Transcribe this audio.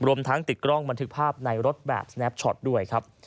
รวมทั้งติดกล้องบันทึกภาพในรถแบบสแนปช็อตด้วยครับ